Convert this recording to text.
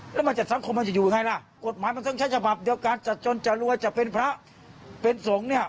แล้วมาจากสังคมมันจะอยู่ยังไงล่ะกฎหมายมันต้องใช้ฉบับเดียวการจัดจนจะรวยจะเป็นพระเป็นสงฆ์เนี่ย